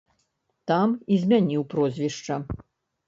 Там і змяніў прозвішча.